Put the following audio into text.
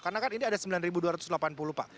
karena kan ini ada sembilan dua ratus delapan puluh pak